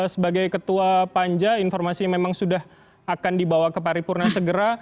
sebagai ketua panja informasi memang sudah akan dibawa ke paripurna segera